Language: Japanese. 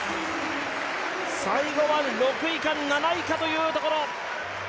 最後は６位か７位かというところ。